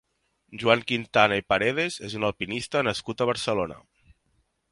Joan Quintana i Paredes és un alpinista nascut a Barcelona.